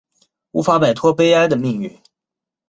无法摆脱悲哀的命运